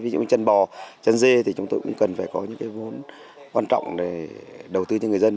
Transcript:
ví dụ như chân bò chân dê thì chúng tôi cũng cần phải có những cái vốn quan trọng để đầu tư cho người dân